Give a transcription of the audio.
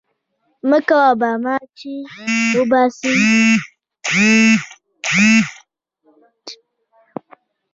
مه کوه په ما، چي وبه سي په تا